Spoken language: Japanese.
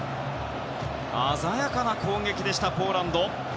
鮮やかな攻撃でしたポーランド。